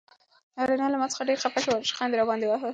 نازیه له ما څخه ډېره خفه شوه او ریشخند یې راباندې واهه.